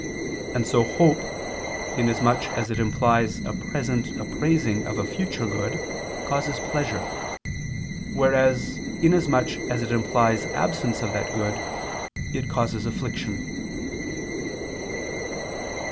And so hope, inasmuch as it implies a present appraising of a future good, causes pleasure; whereas, inasmuch as it implies absence of that good, it causes affliction.